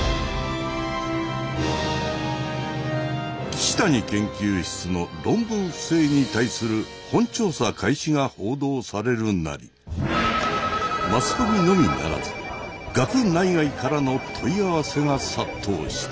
岸谷研究室の論文不正に対する本調査開始が報道されるなりマスコミのみならず学内外からの問い合わせが殺到した。